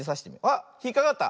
あっひっかかった。